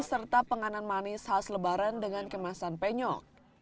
serta penganan manis khas lebaran dengan kemasan penyok